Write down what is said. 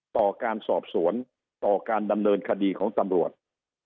ต่อการสอบสวนต่อการดำเนินคดีของตำรวจ